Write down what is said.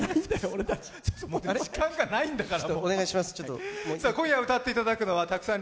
時間がないんだから。